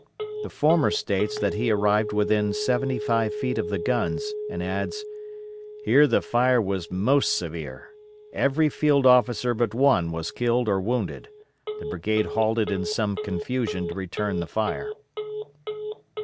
The former states that he arrived within seventy five feet of the guns, and adds: "Here the fire was most severe. Every field officer but one was killed or wounded. The brigade halted in some confusion to return the fire."